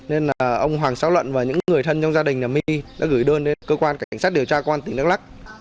nên là ông hoàng sáu luận và những người thân trong gia đình nhà my đã gửi đơn đến cơ quan cảnh sát điều tra công an tỉnh đắk lắc